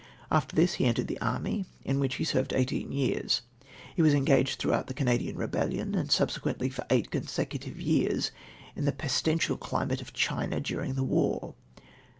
After this he entered the army, in which he served eighteen years. He Avas engaged throughout the Canadian rebellion, and subsequently for eight consecutive years in the pestilential climate of China durino the war.